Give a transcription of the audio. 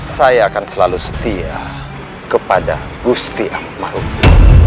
saya akan selalu setia kepada gusti ahmad